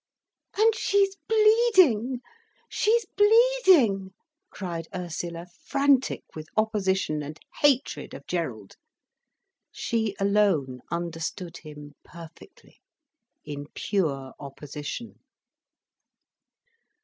"And she's bleeding! She's bleeding!" cried Ursula, frantic with opposition and hatred of Gerald. She alone understood him perfectly, in pure opposition.